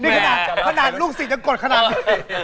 นี่ขนาดลูกศิษย์ยังกดขนาดนี้